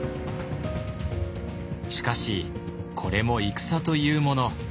しかしこれも戦というもの。